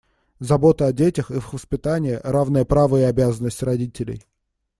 Забота о детях, их воспитание - равное право и обязанность родителей.